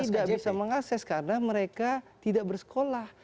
tidak bisa mengakses karena mereka tidak bersekolah